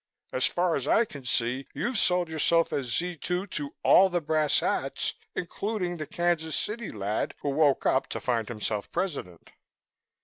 So far as I can see, you've sold yourself as Z 2 to all the brass hats, including the Kansas City lad who woke up to find himself President."